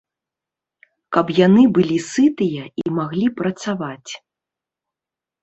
Каб яны былі сытыя і маглі працаваць.